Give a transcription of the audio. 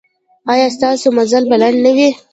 ایا ستاسو مزل به لنډ نه وي؟